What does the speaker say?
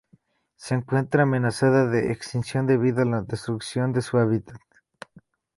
Se encuentra amenazada de extinción debido a la destrucción de su hábitat.